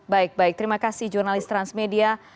baik baik terima kasih jurnalis transmedia